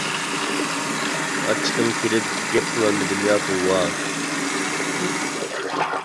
ئاچچىقىم كېلىپ گەپ قىلالمىدىم يا؟ توۋا!